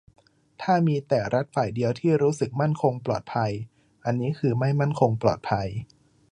ถ้ามีแต่รัฐฝ่ายเดียวที่รู้สึกมั่นคงปลอดภัย อันนี้คือไม่มั่นคงปลอดภัย